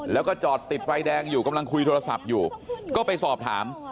แล้วก็จอดติดไฟแดงอยู่กำลังคุยโทรศัพท์อยู่ก็ไปสอบถาม